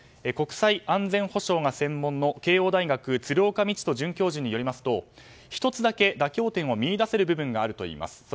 国際安全保障が専門の慶應大学の鶴岡路人准教授によりますと１つだけ妥協点を見いだせる部分があるといいます。